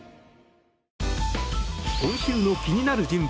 今週の気になる人物